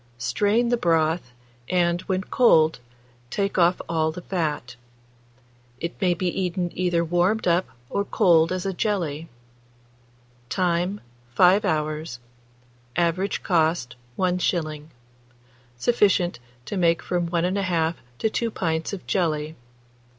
Strain the broth, and, when cold, take off all the fat. It may be eaten either warmed up or cold as a jelly. Time. 5 hours. Average cost, 1s. Sufficient to make from 1 1/2 to 2 pints of jelly.